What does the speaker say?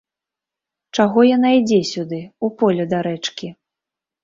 Чаго яна ідзе сюды, у поле да рэчкі?